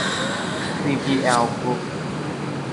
ซีพีแอล กรุ๊ป